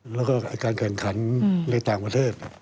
แล้วก็การแข่งขันในต่างประเทศ